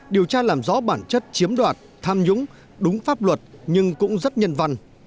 điều tra làm rõ bản chất chiếm đoạt tham nhũng đúng pháp luật nhưng cũng rất nhân văn